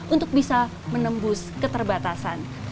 untuk bisa menembus keterbatasan